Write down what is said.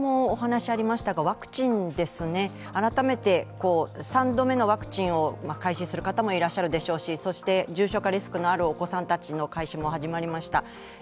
ワクチンですね、改めて３度目のワクチンを開始する方もいらっしゃるでしょうしそして、重症化リスクのあるお子さんたちの接種も始まりました。